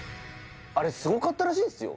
あれすごかったらしいっすよ